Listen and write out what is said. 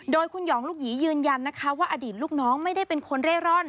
โดยคุณหองลูกหยียืนยันนะคะว่าอดีตลูกน้องไม่ได้เป็นคนเร่ร่อน